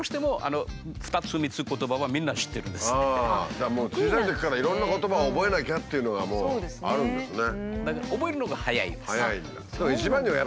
だからどうしても小さいときからいろんな言葉を覚えなきゃっていうのがあるんですね。